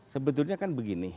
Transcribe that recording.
sebetulnya kan begini